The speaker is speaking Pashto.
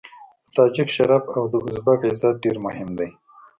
د تاجک شرف او د ازبک عزت ډېر مهم دی.